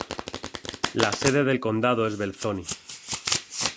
La sede del condado es Belzoni.